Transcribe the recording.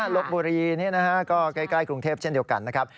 ลบบุรีก็ใกล้กรุงเทพเช่นเดียวกันนะครับ